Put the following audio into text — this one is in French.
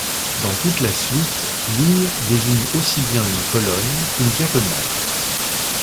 Dans toute la suite, ligne désigne aussi bien une colonne qu'une diagonale.